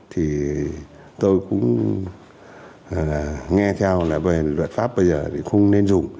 thì tôi cũng nghe theo là về luật pháp bây giờ thì không nên dùng